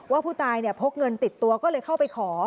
ว่าผู้ตายพกเงินติดตัวก็เลยเข้าไปขอ